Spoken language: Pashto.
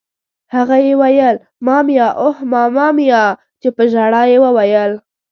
هغه یې ویل: مامیا! اوه ماما میا! چې په ژړا یې وویل.